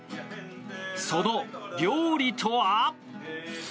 その料理とは。